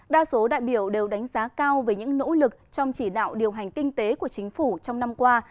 đa số đại biểu đều đánh giá cao về những nỗ lực trong chỉ đạo điều hành kinh tế của chính phủ trong năm qua